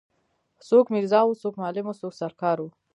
څوک میرزا وو څوک معلم وو څوک سر کار وو.